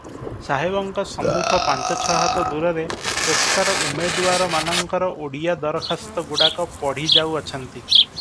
ସାହେବଙ୍କ ସମ୍ମୁଖ ପାଞ୍ଚ ଛ'ହାତ ଦୂରରେ ପେସ୍କାର ଉମେଦୁଆରମାନଙ୍କର ଓଡିଆ ଦରଖାସ୍ତ ଗୁଡ଼ାକ ପଢ଼ିଯାଉଅଛନ୍ତି ।